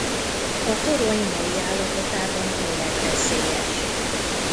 A torony mai állapotában életveszélyes.